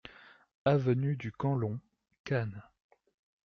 Avenue du Camp Long, Cannes